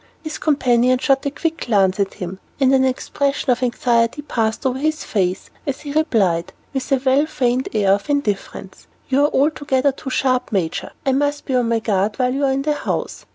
His companion shot a quick glance at him, and an expression of anxiety passed over his face as he replied, with a well feigned air of indifference, "You are altogether too sharp, Major. I must be on my guard while you are in the house.